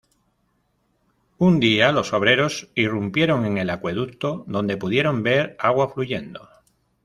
Un día, los obreros irrumpieron en el acueducto, donde pudieron ver agua fluyendo.